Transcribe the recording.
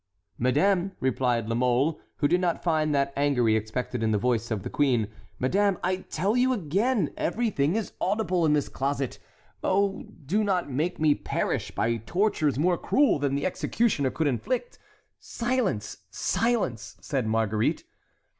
"Madame," replied La Mole, who did not find that anger he expected in the voice of the queen, "madame, I tell you again, everything is audible in this closet. Oh, do not make me perish by tortures more cruel than the executioner could inflict"— "Silence! silence!" said Marguerite.